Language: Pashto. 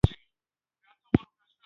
که صداقت وساتې، بازار تا نه هېروي.